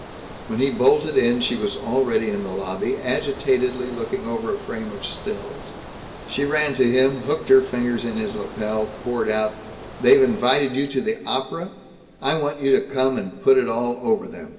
When he bolted in she was already in the lobby, agitatedly looking over a frame of "stills." She ran to him, hooked her fingers in his lapel, poured out, "They've invited you to the opera? I want you to come and put it all over them.